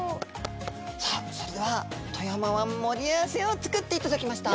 さあそれでは富山湾盛り合わせを作っていただきました！